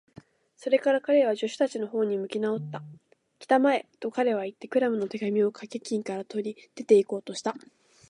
それから彼は、助手たちのほうに向きなおった。「きたまえ！」と、彼はいって、クラムの手紙をかけ金から取り、出ていこうとした。